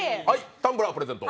タンブラー、プレゼント！